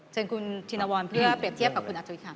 เชิญคุณธินวรเพื่อเปรียบเทียบกับคุณอัธุยค่ะ